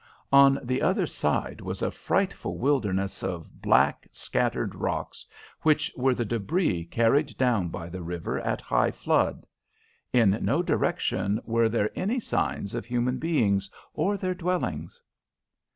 On the other side was a frightful wilderness of black, scattered rocks, which were the débris carried down by the river at high flood. In no direction were there any signs of human beings or their dwellings.